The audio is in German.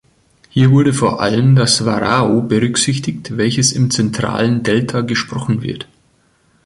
Hier wurde vor allem das Warao berücksichtigt, welches im zentralen Delta gesprochen wird.